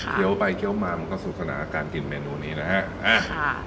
เคี้ยวไปเคี้ยวมามก็สุขนาการกินเมนูนี้นะฮะ